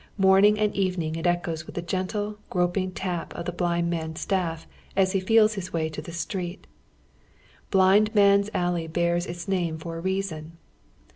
Morning and evening it echoes with the gentle, groping tap of the blind man's staff as he feels his way to the street. Blind Man's Alley bears its name for a reason.